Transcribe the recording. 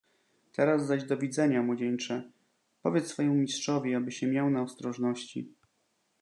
"Teraz zaś do widzenia, młodzieńcze; powiedz swojemu mistrzowi, aby się miał na ostrożności."